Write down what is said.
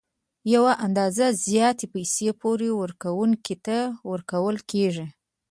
یوه اندازه زیاتې پیسې پور ورکوونکي ته ورکول کېږي